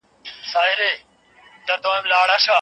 ځینې خلک د مېګرین پر وخت کانګې کوي.